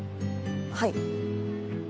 はい。